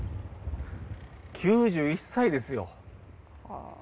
９１歳ですよ